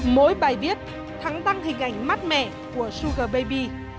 mỗi bài viết thắng tăng hình ảnh mắt mẹ của sugar baby